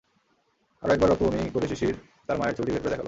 আরও একবার রক্ত বমি করে শিশির তার মায়ের ছবিটি বের করে দেখাল।